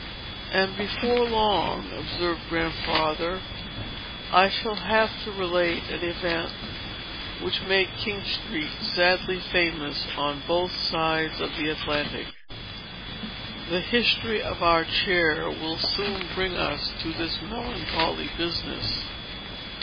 "And, before long," observed Grandfather, "I shall have to relate an event, which made King Street sadly famous on both sides of the Atlantic. The history of our chair will soon bring us to this melancholy business."